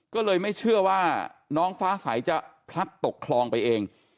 ก็เลยไม่เชื่อว่าน้องฟ้าใสจะพลัดตกคลองไปเอง